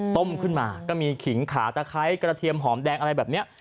ต้มขึ้นมาก็มีขิงขาตะไคร้กระเทียมหอมแดงอะไรแบบนี้